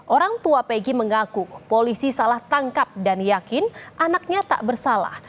orang tua pegi mengaku polisi salah tangkap dan yakin anaknya tak bersalah